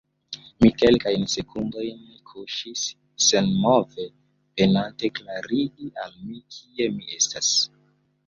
Mi kelkajn sekundojn kuŝis senmove, penante klarigi al mi, kie mi estas.